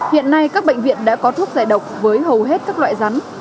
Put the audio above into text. hiện nay các bệnh viện đã có thuốc giải độc với hầu hết các loại rắn